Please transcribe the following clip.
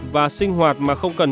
và sinh hoạt mà không cần